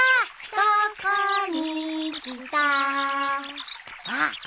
「どこに来た」あっ。